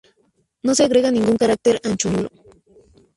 No se agrega ningún carácter ancho nulo.